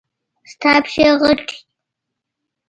د تا پښې غټي دي